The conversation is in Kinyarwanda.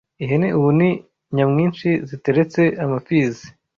Ihene ubu ni nyamwinshi Ziteretse amapfizi: